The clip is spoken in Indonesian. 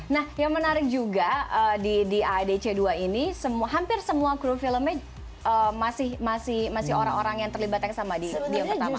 nah yang menarik juga di aadc dua ini hampir semua kru filmnya masih orang orang yang terlibat yang sama diem pertama